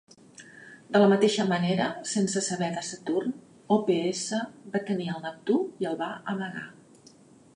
De la mateixa manera, sense saber de Saturn, OPS va tenir el Neptú i el va amagar.